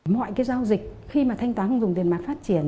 mọi cái giao dịch khi mà thanh toán không dùng tiền mặt phát triển